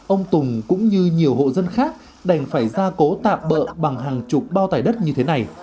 ông tùng cũng như nhiều hộ dân khác đành phải ra cố tạm bỡ bằng hàng chục bao tải đất như thế này